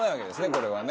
これはね。